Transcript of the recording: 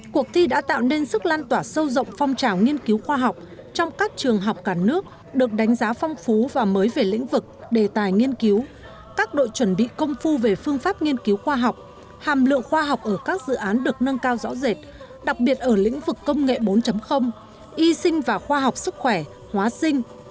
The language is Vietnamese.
cuộc thi đã tạo nên sức lan tỏa sâu rộng phong trào nghiên cứu khoa học trong các trường học cả nước được đánh giá phong phú và mới về lĩnh vực đề tài nghiên cứu các đội chuẩn bị công phu về phương pháp nghiên cứu khoa học hàm lượng khoa học ở các dự án được nâng cao rõ rệt đặc biệt ở lĩnh vực công nghệ bốn y sinh và khoa học sức khỏe hóa sinh